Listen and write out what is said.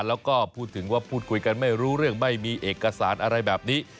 แล้วก็พูดถึงว่าพูดคุยกันไม่รู้เรื่องไม่มีเอกสารอะไรแบบนี้